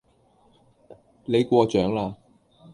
你過獎啦